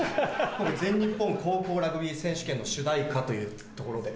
今回全日本高校ラグビー選手権の主題歌というところで。